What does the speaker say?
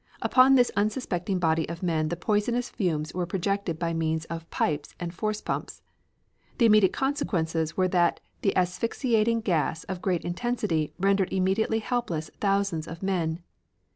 Upon this unsuspecting body of men the poison fumes were projected by means of pipes and force pumps. The immediate consequences were that the asphyxiating gas of great intensity rendered immediately helpless thousands of men.